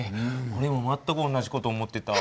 おれも全く同じ事を思ってた。